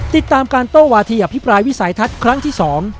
ติดตามการโต้วาทีอภิปรายวิสัยทัศน์ครั้งที่สอง